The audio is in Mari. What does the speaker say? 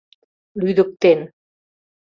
Лӱдыктен